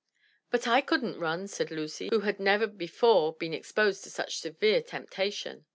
"But I couldn't run," said Lucy who had never before been exposed to such severe temptation.